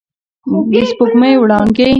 د سپوږمۍ وړانګې